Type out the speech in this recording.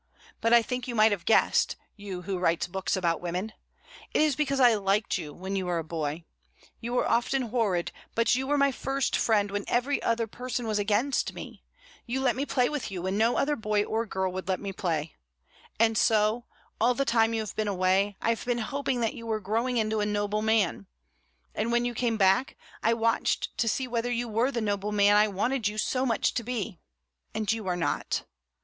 But I think you might have guessed, you who write books about women. It is because I liked you when you were a boy. You were often horrid, but you were my first friend when every other person was against me. You let me play with you when no other boy or girl would let me play. And so, all the time you have been away, I have been hoping that you were growing into a noble man; and when you came back, I watched to see whether you were the noble man I wanted you so much to be, and you are not.